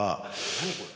何これ。